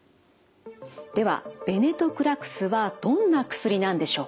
ではベネトクラクスはどんな薬なんでしょうか？